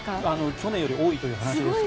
去年より多いという話です。